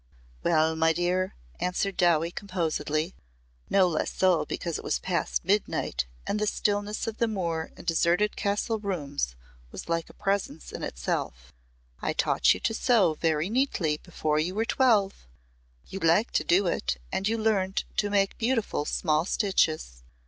"Well, my dear," answered Dowie composedly no less so because it was past midnight and the stillness of moor and deserted castle rooms was like a presence in itself. "I taught you to sew very neatly before you were twelve. You liked to do it and you learned to make beautiful small stitches.